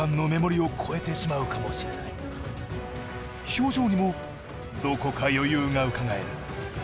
表情にもどこか余裕がうかがえる。